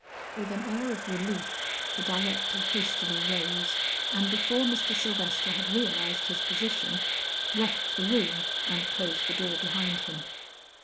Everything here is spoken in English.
With an air of relief the director hastily rose, and before Mr. Sylvester had realized his position, left the room and closed the door behind him.